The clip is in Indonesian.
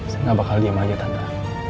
saya gak bakal diem lagi tante